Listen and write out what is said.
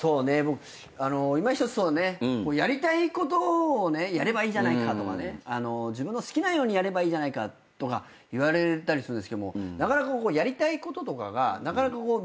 いまひとつやりたいことをやればいいじゃないかとかね自分の好きなようにやればいいじゃないかとか言われたりするんですけどもなかなか。